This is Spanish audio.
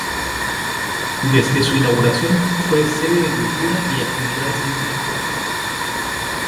Desde su inauguración fue sede de cultura y actividades intelectuales.